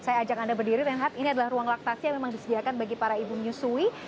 saya ajak anda berdiri reinhardt ini adalah ruang laktasi yang memang disediakan bagi para ibu menyusui